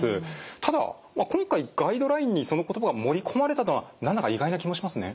ただ今回ガイドラインにその言葉が盛り込まれたのは何だか意外な気もしますね。